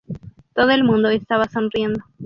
Todo el mundo estaba sonriendo.